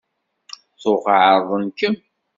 Tuɣ εerḍen-kem?